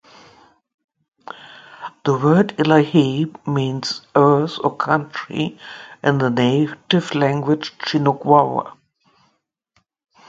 The word "Illahee" means "earth" or "country" in the Native language Chinuk Wawa.